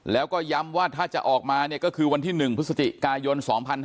แล้วก็ย้ำว่าถ้าจะออกมาเนี่ยก็คือวันที่๑พฤศจิกายน๒๕๕๙